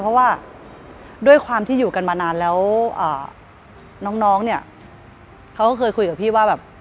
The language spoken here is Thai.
เพราะว่าด้วยความที่อยู่กันมานานแล้วน้องเนี่ยเขาก็เคยคุยกับพี่ว่าแบบ